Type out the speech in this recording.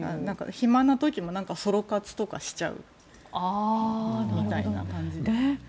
暇な時もソロ活とかしちゃうみたいな。